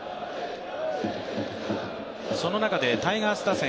その中でタイガース打線